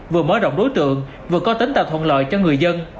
vừa mở rộng đối tượng vừa có tính tạo thuận lợi cho người dân